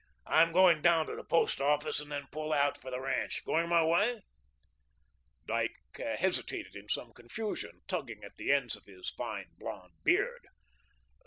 "I'm going down to the Post Office and then pull out for the ranch. Going my way?" Dyke hesitated in some confusion, tugging at the ends of his fine blonde beard.